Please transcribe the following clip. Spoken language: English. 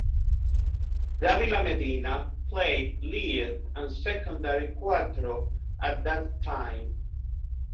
Davila Medina played lead and secondary cuatro at that time.